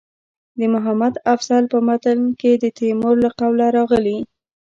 د محمد افضل په متن کې د تیمور له قوله راغلي.